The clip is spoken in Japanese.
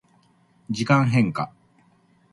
時間変化